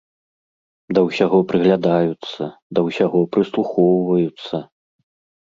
Да ўсяго прыглядаюцца, да ўсяго прыслухоўваюцца.